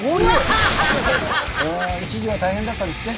一時は大変だったんですって？